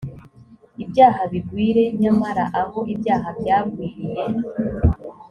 ibyaha bigwire nyamara aho ibyaha byagwiriye